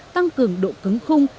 tăng cường độ cứng khung